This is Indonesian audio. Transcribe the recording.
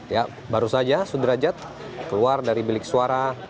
ya baru saja sudrajat keluar dari bilik suara